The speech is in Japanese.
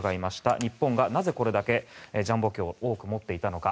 日本がなぜこれだけジャンボ機を多く持っていたのか。